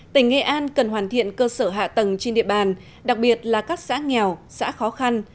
tỉnh nghệ an cần hoàn thiện cơ sở hạ tầng trên địa bàn đặc biệt là các xã nghèo xã khó khăn